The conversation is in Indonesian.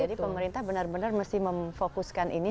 jadi pemerintah benar benar mesti memfokuskan ini